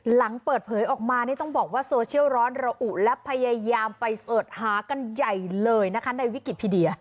หลังเปิดเผยออกมานี่ต้องบอกว่าโซเชียลร้อนระอุและพยายามไปเสิร์ชหากันใหญ่เลยนะคะในวิกิพีเดีย